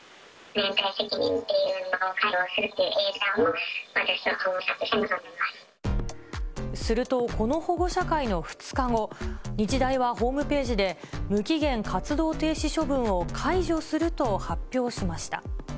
連帯責任っていうのを解放するという英断を私は保護者としてするとこの保護者会の２日後、日大はホームページで、無期限活動停止処分を解除すると発表しました。